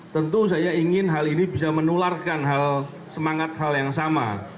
tentu saya ingin hal ini bisa menularkan semangat hal yang sama